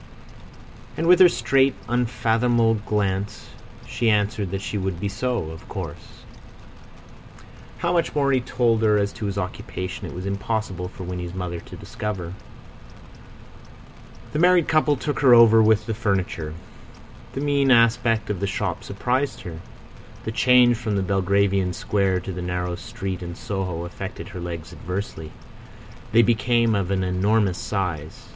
And with her straight, unfathomable glance she answered that she would be so, of course. How much more he told her as to his occupation it was impossible for Winnie's mother to discover. The married couple took her over with the furniture. The mean aspect of the shop surprised her. The change from the Belgravian square to the narrow street in Soho affected her legs adversely. They became of an enormous size.